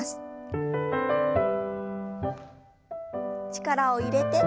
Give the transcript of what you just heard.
力を入れて。